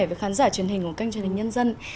với khán giả truyền hình của kênh truyền hình nhân dân